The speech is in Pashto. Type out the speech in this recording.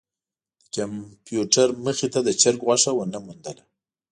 د کمپیوټر مخې ته د چرک غوښه ونه موندله.